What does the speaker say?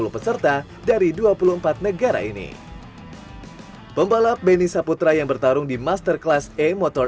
dua ratus delapan puluh peserta dari dua puluh empat negara ini pembalap benny saputra yang bertarung di master class e motor